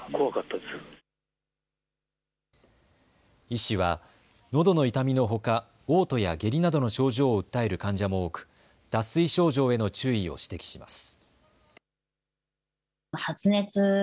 医師はのどの痛みのほかおう吐や下痢などの症状を訴える患者も多く脱水症状への注意を指摘します。